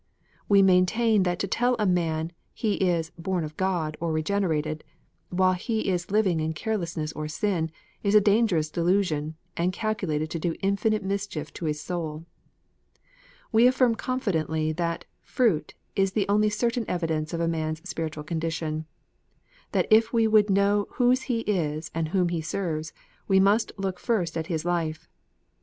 We maintain that to tell a man he is " born of God," or regenerated, while he is living in carelessness or sin, is a dangerous delusion, and calculated to do infinite mischief to his soul. We affirm confidently that " fruit " is the only certain evidence of a man s spiritual condition ; that if we would know whose he is and whom he serves, we must look first at his life.